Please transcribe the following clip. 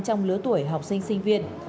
trong lứa tuổi học sinh sinh viên